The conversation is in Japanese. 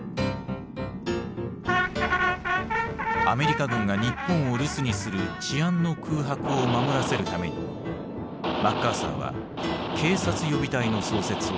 アメリカ軍が日本を留守にする治安の空白を守らせるためにマッカーサーは警察予備隊の創設を指示した。